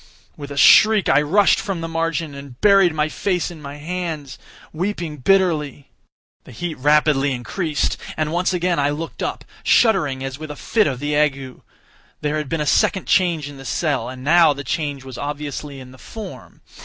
With a shriek, I rushed from the margin, and buried my face in my hands—weeping bitterly. The heat rapidly increased, and once again I looked up, shuddering as with a fit of the ague. There had been a second change in the cell—and now the change was obviously in the form.